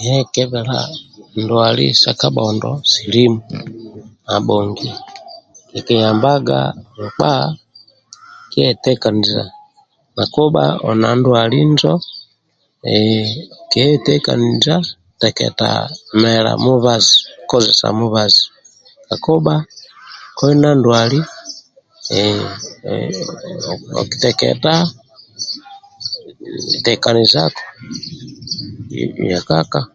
Niekebela ndwali sa kabhondo silimu abhongia akiyambaga nkpa kietekaniza kakubha oli na ndwali njo ehh kietekaniza teketa mela mubazi kozesa mubazi kakubha koli na ndwali okiteketa tekaniza wekaka